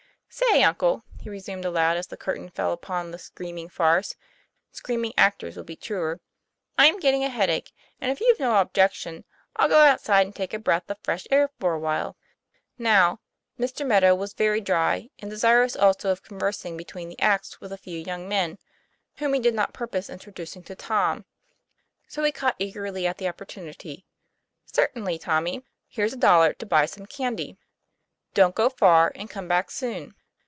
"Say, uncle," he resumed aloud, as the curtain fell upon the ;< screaming farce " screaming actors would be truer "I'm getting a headache, and, if you've no objection, I'll go outside and take a breath of fresh air for a while." Now, Mr. Meadow was very dry, and desirous also of conversing between the acts with a few young men, whom he did not purpose introducing to Tom. So he caught eagerly at the opportunity. ;' Certainly, Tommy. Here's a dollar to buy some candy. Don't go far; and come back soon."